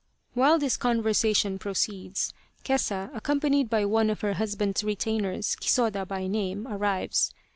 While this conversation proceeds, Kesa, accom panied by one of her husband's retainers, Kisoda by name, arrives.